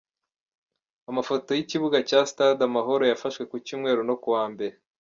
Amafoto y’ikibuga cya stade Amahoro yafashwe ku Cyumweru no kuwa Mbere.